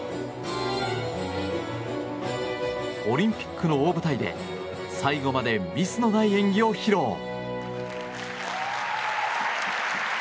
オリンピックの大舞台で最後までミスのない演技を披露。